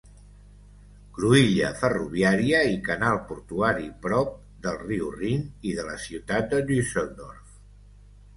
Cruïlla ferroviària i canal portuari prop del riu Rin i de la ciutat de Düsseldorf.